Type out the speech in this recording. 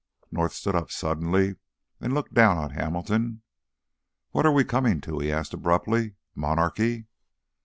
North stood up suddenly and looked down on Hamilton. "What are we coming to?" he asked abruptly. "Monarchy?"